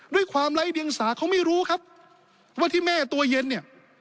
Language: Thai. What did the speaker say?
ด้วยความไร้เดียงสาเขาไม่รู้ครับว่าที่แม่ตัวเย็นเนี่ย